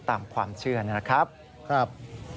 ตามความเชื่อนะครับ